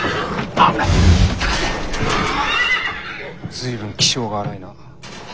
随分気性が荒いな。